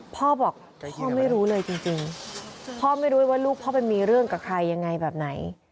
พ่อบอกพ่อไม่รู้เลยจริงพ่อไม่รู้ว่าลูกพ่อไปมีเรื่องกับใครยังไงแบบไหน